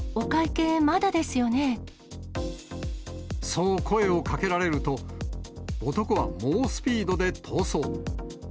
そう声をかけられると、男は猛スピードで逃走。